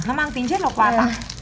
nó mang tính chất là quà tặng